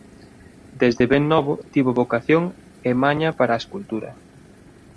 Desde ben novo tivo vocación e maña para a escultura.